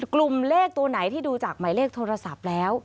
กลุ่มเลขตัวไหนที่ดูจากหมายเลขโทรศัพท์แล้ว